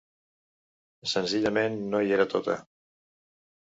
Senzillament, no hi era tota.